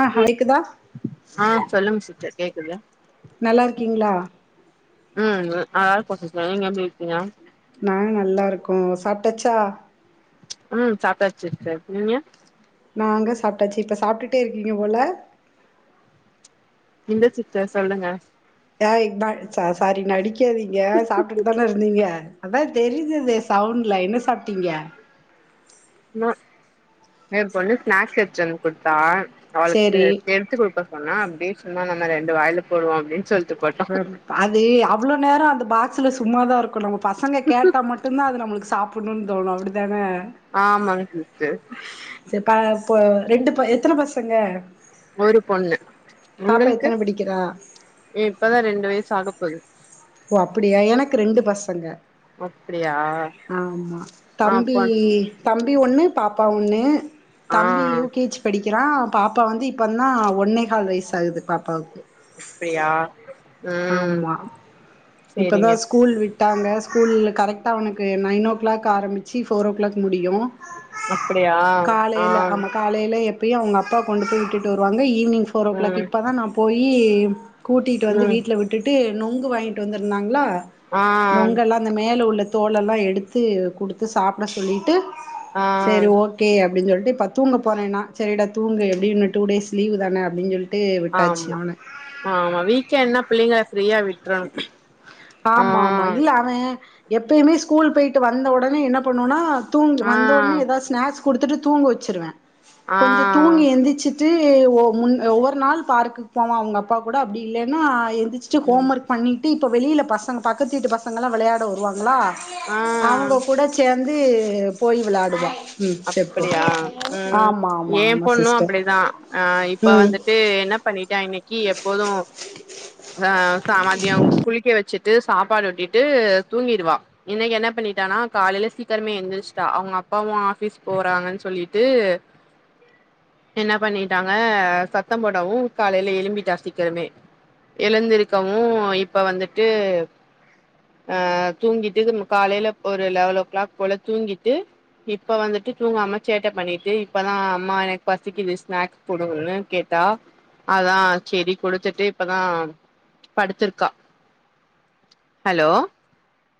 ஆ ஹைக்குதா ஆ சொல்லுங்க சிஸ்டர் கேக்குது க்கீங்களா ம் அதா போட்டுருக்கேன் நீங்க எப்பிடி இருக்கீங்கா நா நல்லா இருக்கும் சாப்ட்டாச்சா ம் சாப்புட்டுச்சு சார் நீங்க நாங்க சாப்புட்டாச்சு இப்ப சாப்புட்டுட்டே இருக்கீங்க போல இந்தா சித்த சொல்லுங்க ஏன் இந்தா ச சாரி நடிக்காதீங்க சாப்புட்டுட்டு தானே இருந்தீங்க அதான் தெரி்ஞ்சுது சவுண்ட்ல என்ன சாப்பிட்டீங்க என் பொண்ணு ஸ்நாக்ஸ் வச்சிருந்து குடுத்தா அவுளுக்கு சேரி டெண்ட் பாப்பா பண்ணா பீன்ஸ்ன்னா நம்ம ரெண்டு வாயுல போடுவோம் அப்பிடின்னு சொல் பாதி அவ்ளோ நேரம் அந்த பா ல சும்மாாதான் இருக்கும் இப்ப நம்ம பசங்க கேட்டா மட்டுந்தா அது நம்மளுக்கு சாப் அப்டும்னு தோணு அப்படிதான ஆமாங் சிஸ்டர் க போ ரெண்டு ப எத்தன பசங்க ஒரு பொண்ணு பாப்பா உங்களுக்கு எத்தன படிக்கிறா ஏ இப்பதா ரெண்டு வயசு ஆக போகுது ஓ அப்படியா எனக்கு ரெண்டு பசங்க அப்டியா ஆமா ஆ தம்பி பொண் தம் அப்டி ஒண்ணு பாப்பா ஒண்ணு ஆ தம்பி யூ கேச் படிக்கிறா பாப்பா வந்து இப்போ இந்தா ஒன்னைகால் வைஷ் ஆகுது பாப்பாவுக்கு அப்டியா ம் ஆமா இப்பதா சேரிங்க சிஸ் ஸ்கூல் விட்டாங்க ஸ்கூல் கரெக்டாக உனுக்கு நைன் ஓ கிளாக் ஆரம்பிச்சு ஃபோர் ஓ கிளாக் முடியு அப்டியாஹ் ஆஹ் ப்பியே அவங்க அப்பா கொண்டு போய் விட்டு வருவாங்க ஈவ்னிங் போர் ஓ க்ளாக் ம் இப்பதா நா போயி இ கூட்டிகிட்டு வந்து ம் வீட் விட்டு நொங்கு வாங்கிட்டு வந்திருந்தாங்களா ஆ நொங்களா அந்த மேல உள்ளத் தோலெல்லாம் எடுத்து குடுத்து சாப்பிட சொல்லிட்டு ஆ சரி ஓகே அப்டின் சொல் இப்ப தூங்க போறேன்னா சரிட தூங்க எப்படினு டூ டேஸ் லீவுதானே அப்டின் சொல் ஆமா ஆமா வீக்கன்னா புள்ளங்காஷ் ஆமா ஆமா இல்ல அவ எப்பயுமே ஸ்கூல் போயிவிட்டு வந்த ஒடனே என்ன பண்ணவானா தூங் ஆ வந்தோடனே ஏதாவ ஸ்நாக்ஸ் குடுத்துட்டு தூங்க வச்சிருவே ஆ கொஞ்ச தூங்கி எந்திச்சு ட்டு ஒ முன் ஒவ்வொரு நாள் பார்க்குக்கு போவா அவங்க அப்பா கூட அப்டி இல்லன்னா ச்ட்டு ம் கோம்வர்க் பண்ணிட்டு இப்போ வெளியில பசங்க பக்கத்துத்வீட்டு பசங்கல்லா விளையாட வருவாங்களா ஆ அவங்க கூட சேர் வந்து போய் விளையாடுவா ம் செப்போ அப்படியா உம் ஆமா ஆமா ஏன் ஆமா பொண்ணும் சிஸ்டர் அப்படிதான் அஹ் இப்ப ம் வந்துட்டு என்ன பண்ணிட்டன் இன்னைக்கு எப்போதும் ஆஹ் சா குளிக்க வச்சுட்டு சாப்பாடு ஊட்டிட்டு தூங்கிடுவா இன்னைக்கு என்ன பண்ணிட்டானா காலையில சீக்கிரமே எந்திரிச்ட்டா அவங்க அப்பாவும் ஆ பிஸ் போறாங்கன்னு சொல்லிட்டு என்ன பண்ணிட்டாங்க சத்தம் போடவும் காலையில எலும்பிட்டுா சீக்கிறமே எழுந்திருக்கவும் இப்ப வந்துட்டு ஆஹ் தூங்கிட்டு காலையில ஒரு லெவல் ஓ கிளாக் போல தூங்கிட்டு இப்ப வந்துட்டு தூங்காம சேட்டை பண்ணிட்டு இப்பதான் அம்மா எனக்கு பசிக்குது ஸ்நாக்ஸ் குடுனு கேட்டா அதான் செரி கொடுத்துட்டு இப்பதான் படுத்திருக்கா ஹலோ